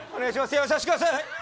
辞めさせてください。